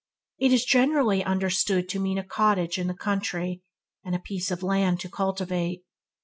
It is generally understood to mean a cottage in the country, and a piece of land to cultivate.